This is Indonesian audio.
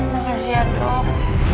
makasih ya dok